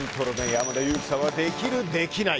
山田裕貴さんはできる？できない？